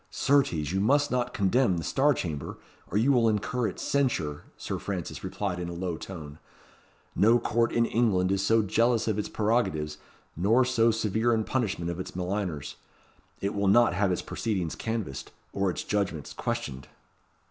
"Certes, you must not contemn the Star Chamber, or you will incur its censure," Sir Francis replied in a low tone. "No court in England is so jealous of its prerogatives, nor so severe in punishment of its maligners. It will not have its proceedings canvassed, or its judgments questioned."